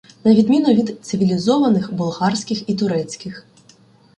На відміну від цивілізованих болгарських і турецьких